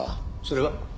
それは？